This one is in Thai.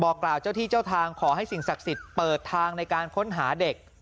กล่าวเจ้าที่เจ้าทางขอให้สิ่งศักดิ์สิทธิ์เปิดทางในการค้นหาเด็ก